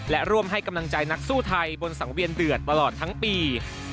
และร่วมให้กำลังใจนักสู้ไทยบนสังเวียนเดือดตลอดทั้งปี